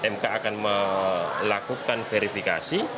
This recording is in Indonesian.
mk akan melakukan verifikasi